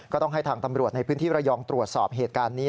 ก็ต้องให้ทางตำรวจในพื้นที่ระยองตรวจสอบเหตุการณ์นี้